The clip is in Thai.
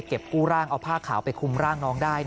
ทำเก็บข้างรถไฟเอาผ้าขาลไปคุมร่างน้องได้